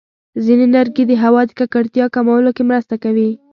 ځینې لرګي د هوا د ککړتیا کمولو کې مرسته کوي.